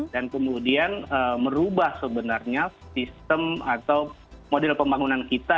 dan kemudian merubah sebenarnya sistem atau model pembangunan kita